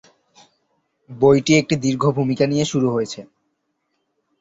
বইটি একটি দীর্ঘ ভূমিকা নিয়ে শুরু হয়েছে।